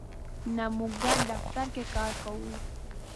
نه، موږ ګډ دفتر کی کار کوو